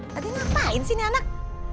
tadi ngapain sih ini anak